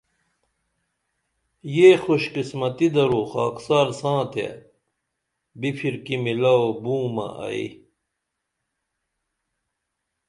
یہ خوش قسمتی درو خاکسار ساں تیہ بِپھرکی میلو بومہ ائی